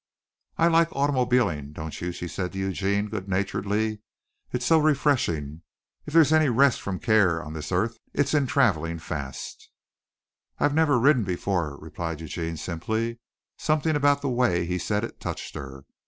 "I like automobiling, don't you?" she said to Eugene good naturedly. "It's so refreshing. If there is any rest from care on this earth it's in traveling fast." "I've never ridden before," replied Eugene simply. Something about the way he said it touched her.